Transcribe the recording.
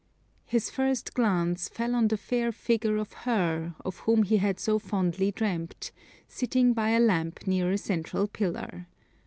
His first glance fell on the fair figure of her of whom he had so fondly dreamt, sitting by a lamp near a central pillar.